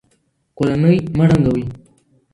کورنۍ مه ړنګوئ.